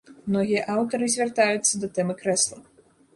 Многія аўтары звяртаюцца да тэмы крэсла.